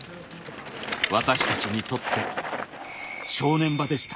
私たちにとって正念場でした。